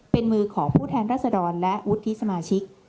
เป็นมือของผู้แทนรัศดรและวุฒิสมาชิก